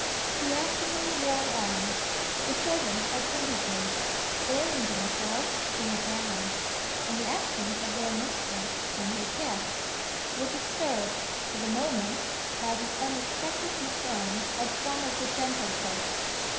The afternoon wore on. The servants at Windygates, airing themselves in the grounds in the absence of their mistress and her guests were disturbed, for the moment, by the unexpected return of one of "the gentlefolks."